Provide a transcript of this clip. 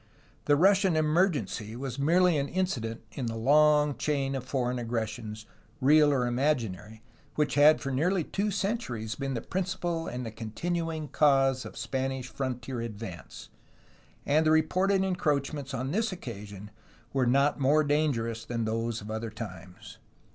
The Russian emergency was merely an incident in the long chain of foreign aggressions, real or imaginary, which had for nearly two centuries been the principal and the continuing cause of Spanish frontier advance, and the reported en croachments on this occasion were not more dangerous than those of other times.